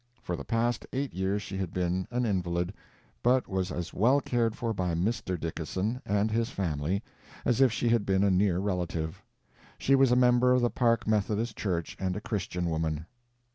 For the past eight years she had been an invalid, but was as well cared for by Mr. Dickason and his family as if she had been a near relative. She was a member of the Park Methodist Church and a Christian woman.